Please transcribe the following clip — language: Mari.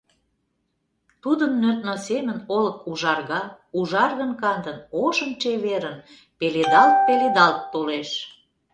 Тудын нӧлтмӧ семын олык ужарга, ужаргын-кандын, ошын-чеверын пеледалт-пеледалт толеш.